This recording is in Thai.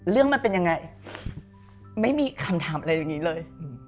เรื่องมันเป็นยังไงไม่มีคำถามอะไรอย่างนี้เลย